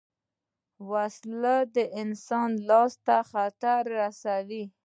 وسله د انسان لاس ته خطر رسوي